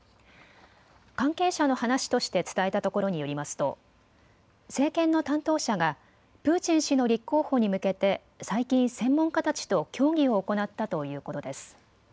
関係者の話として伝えたところによりますと政権の担当者がプーチン氏の立候補に向けて最近、専門家たちと協議を行ったということです。